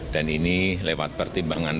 dan ini lewat pertimbangan pertimbangan